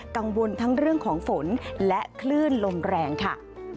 กังวลทั้งเรื่องของฝนและคลื่นลมแรงค่ะ